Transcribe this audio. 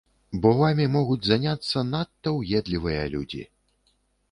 Бо вамі могуць заняцца надта ўедлівыя людзі.